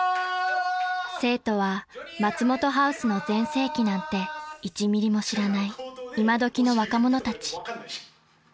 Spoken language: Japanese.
［生徒は松本ハウスの全盛期なんて１ｍｍも知らない今どきの若者たち］